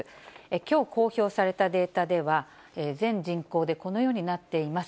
きょう公表されたデータでは、全人口でこのようになっています。